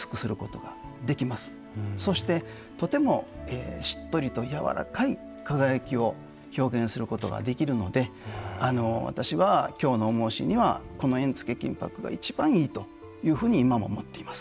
そしてとてもしっとりと柔らかい輝きを表現することができるので私は京の重押しにはこの縁付金箔が一番いいというふうに今も思っています。